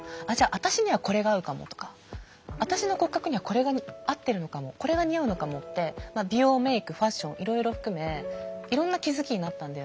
私にはこれが合うかもとか私の骨格にはこれが合ってるのかもこれが似合うのかもって美容メイクファッションいろいろ含めいろんな気づきになったんだよね。